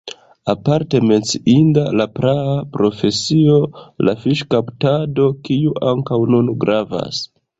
Aparte menciinda la praa profesio la fiŝkaptado, kiu ankaŭ nun gravas.